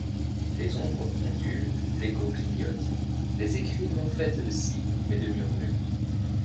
Les ombres ondulent, l’échos clignote, Les écrits non faites de signes, mais de murmures.